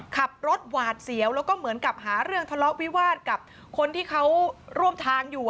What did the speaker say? ขับรถหวาดเสียวแล้วก็เหมือนกับหาเรื่องทะเลาะวิวาสกับคนที่เขาร่วมทางอยู่